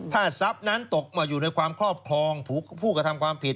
ถ้าทรัพย์นั้นตกมาอยู่ในความครอบครองผู้กระทำความผิด